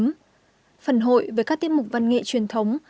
phần hội với các tiết mục văn nghệ truyền thống